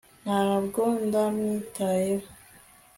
ntabwo ndamwitayeho